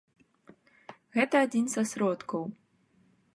Гэта адзін са сродкаў.